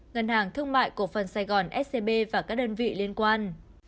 ngân hàng thương mại cổ phần sài gòn scb và các đơn vị liên quan